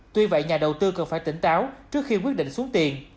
tuy vậy nhà đầu tư cần phải tỉnh táo trước khi quyết định xuống tiền